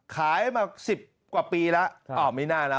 ขายมา๑๐กว่าปีแล้วอ้าวไม่น่าแล้ว